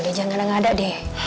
udah jangan ada ada deh